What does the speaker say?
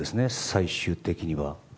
最終的には。